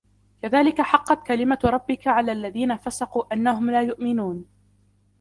كذلك حقت كلمت ربك على الذين فسقوا أنهم لا يؤمنون